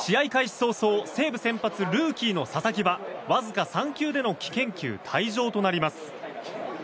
早々西武先発、ルーキーの佐々木は、わずか３球での危険球退場となります。